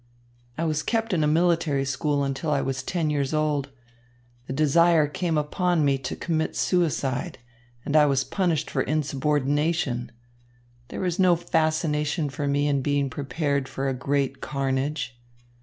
"I was kept in a military school until I was ten years old. The desire came upon me to commit suicide, and I was punished for insubordination. There was no fascination for me in being prepared for a great carnage.